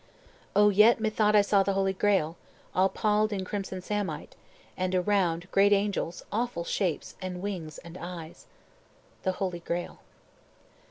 "O, yet methought I saw the Holy Grail, All pall'd in crimson samite, and around Great angels, awful shapes, and wings and eyes" The Holy Grail.